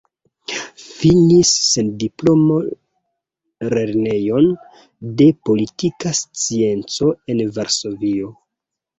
Finis sen diplomo Lernejon de Politika Scienco en Varsovio.